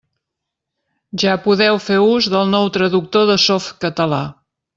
Ja podeu fer ús del nou traductor de Softcatalà.